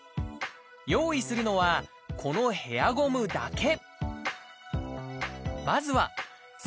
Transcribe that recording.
用意するのはこのヘアゴムだけ。